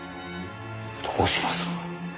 どうします？